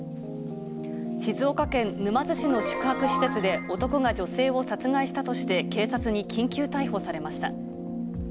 静岡県沼津市の宿泊施設で、男が女性を殺害したとして警察に緊急逮捕されました。